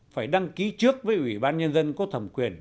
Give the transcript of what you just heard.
phải đăng ký trước với ủy ban nhân dân có thẩm quyền